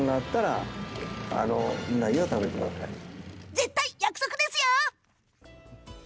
絶対、約束ですよ。